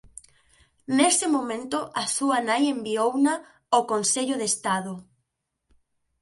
Nese momento a súa nai enviouna ao Consello de Estado.